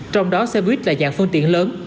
trong đó xe buýt là dạng phương tiện lớn